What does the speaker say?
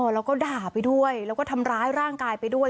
แล้วก็ด่าไปด้วยแล้วก็ทำร้ายร่างกายไปด้วย